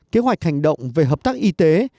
kế hoạch hành động về hợp tác y tế